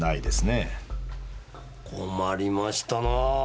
困りましたな。